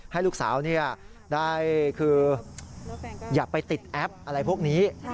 ให้ลูกสาวได้คืออย่าไปติดแอปอะไรพวกนี้